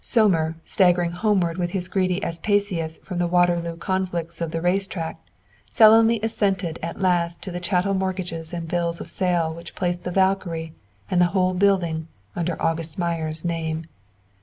Sohmer, staggering homeward with his greedy Aspasias from the Waterloo conflicts of the race track, sullenly assented at last to the chattel mortgages and bills of sale which placed the "Valkyrie" and the whole building under August Meyer's name.